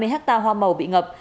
hai mươi ha hoa màu bị ngập